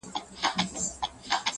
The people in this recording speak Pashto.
له حیا له حُسنه جوړه ترانه یې,